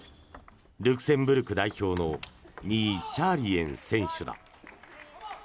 ルクセンブルク代表のニー・シャーリエン選手だ。